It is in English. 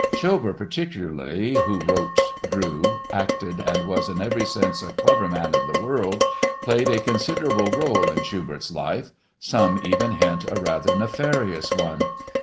Schober, particularly, who wrote, drew, acted and was in every sense a clever man of the world, played a considerable role in Schubert's life—some even hint a rather nefarious one.